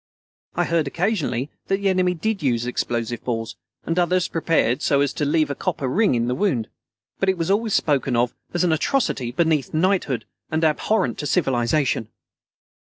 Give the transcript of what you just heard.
I heard occasionally that the enemy did use explosive balls, and others prepared so as to leave a copper ring in the wound, but it was always spoken of as an atrocity beneath knighthood and abhorrent to civilization.